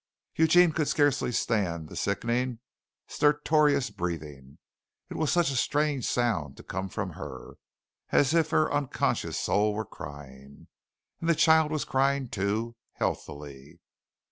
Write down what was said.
Eugene could scarcely stand the sickening, stertorous breathing. It was such a strange sound to come from her as if her unconscious soul were crying. And the child was crying, too, healthily.